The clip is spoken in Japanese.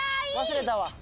忘れたわ。